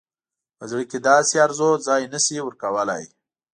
په زړه کې داسې آرزو ځای نه شي ورکولای.